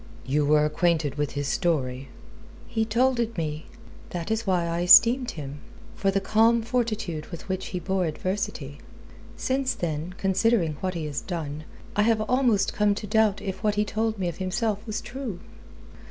"You were acquainted with his story?" "He told it me. That is why I esteemed him for the calm fortitude with which he bore adversity. Since then, considering what he has done, I have almost come to doubt if what he told me of himself was true."